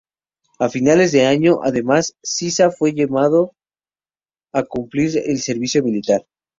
A finales de año, además, Sisa fue llamado a cumplir el Servicio Militar.